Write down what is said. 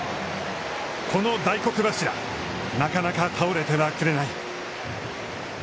この大黒柱、なかなか倒れてはくれない。